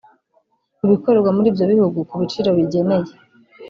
Ibikorerwa muri ibyo bihugu ku biciro bigeneye